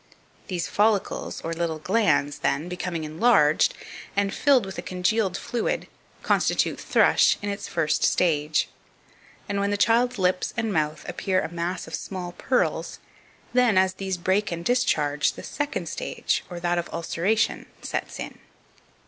2526. These follicles, or little glands, then, becoming enlarged, and filled with a congealed fluid, constitute thrush in its first stage; and when the child's lips and mouth appear a mass of small pearls, then, as these break and discharge, the second stage, or that of ulceration, sets in.